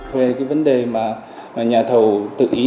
về vấn đề nhà thầu tự ý